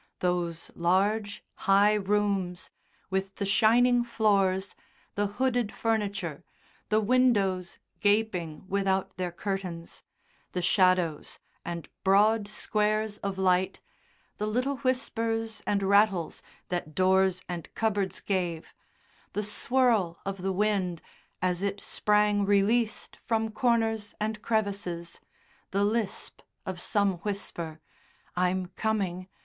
Those large, high rooms with the shining floors, the hooded furniture, the windows gaping without their curtains, the shadows and broad squares of light, the little whispers and rattles that doors and cupboards gave, the swirl of the wind as it sprang released from corners and crevices, the lisp of some whisper, "I'm coming!